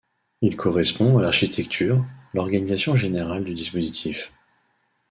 Il correspond à l’architecture, l’organisation générale du dispositif.